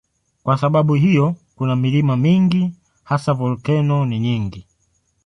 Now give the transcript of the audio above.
Kwa sababu hiyo kuna milima mingi, hasa volkeno ni nyingi.